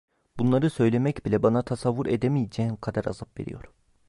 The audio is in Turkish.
Bunları söylemek bile bana tasavvur edemeyeceğin kadar azap veriyor.